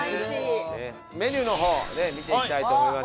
メニューの方見ていきたいと思います。